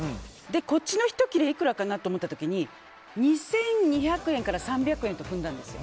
こっちの１切れいくらかなと思った時に２２００円から２３００円と踏んだんですよ。